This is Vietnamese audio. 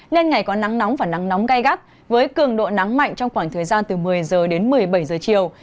nên ngày có nắng nóng và nắng nóng gai gắt với cường độ nắng mạnh trong khoảng thời gian từ một mươi giờ đến một mươi bảy giờ chiều